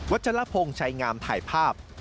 ชลพงศ์ชัยงามถ่ายภาพ